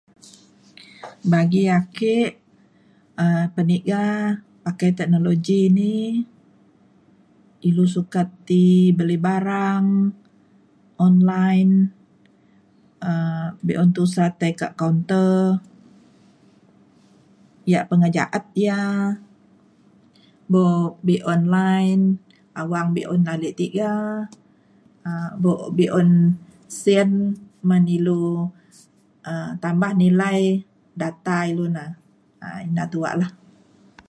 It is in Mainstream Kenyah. Bagi ake um peniga pakai teknologi ini ilu sukat ti beli barang online um be’un tusa tai kak counter. Yak pengeja’at ia’ buk be online awang be’un ale tiga um buk be’un sin men ilu um tambah nilai data ilu na um ina tuak lah.